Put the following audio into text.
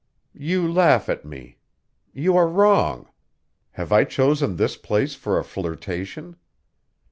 "You laugh at me. You are wrong. Have I chosen this place for a flirtation?